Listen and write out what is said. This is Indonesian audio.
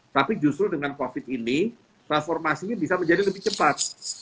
tapi justru dengan covid ini transformasinya bisa menjadi lebih cepat